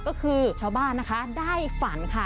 ก็คือชาวบ้านนะคะได้ฝันค่ะ